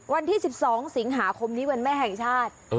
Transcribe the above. วันที่๑๒สิงหาคมนี้วันแม่แห่งชาติ